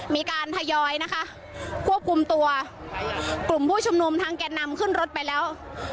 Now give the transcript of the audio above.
มีการทยอยนะคะควบคุมตัวกลุ่มผู้ชุมนุมทางแก่นำขึ้นรถไปแล้ว